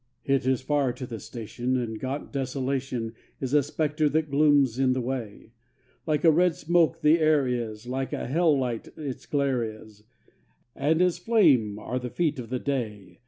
It is far to the station, and gaunt Desolation Is a spectre that glooms in the way; Like a red smoke the air is, like a hell light its glare is, And as flame are the feet of the day.